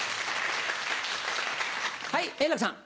はい円楽さん。